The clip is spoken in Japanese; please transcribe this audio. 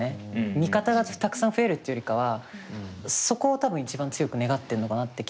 味方がたくさん増えるっていうよりかはそこを多分一番強く願ってんのかなって気がしてて。